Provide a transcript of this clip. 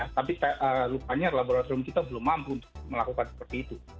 tapi rupanya laboratorium kita belum mampu untuk melakukan seperti itu